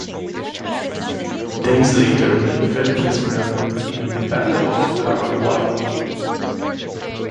Days later, fell prisoner in the battle of Caraguatay.